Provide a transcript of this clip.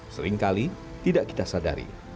seringkali tidak kita sadari